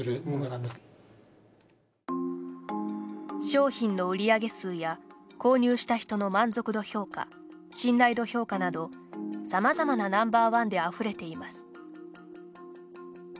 商品の売上数や購入した人の満足度評価信頼度評価などさまざまなＮｏ．１であふれています。